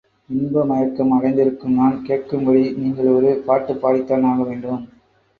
இன்ப மயக்கம் அடைந்திருக்கும் நான் கேட்கும்படி நீங்கள் ஒரு பாட்டுப் பாடித்தான் ஆகவேண்டும்.